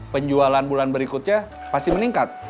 penjualan bulan berikutnya pasti meningkat